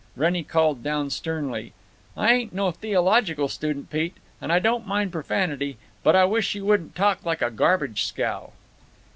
Wrennie called down, sternly, "I ain't no theological student, Pete, and I don't mind profanity, but I wish you wouldn't talk like a garbage scow."